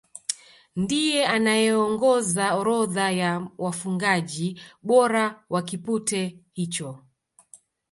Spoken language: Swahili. Ndiye anayeongoza orodha ya wafungaji bora wa kipute hicho